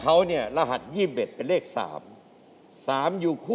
๗นาที๗นาทีมุ่งเรื่องชาวทอง